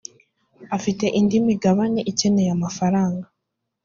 afite indi imigabane ikeneye amafaranga